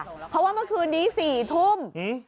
เพราะว่าเมื่อคืนนี้๔ทุ่ม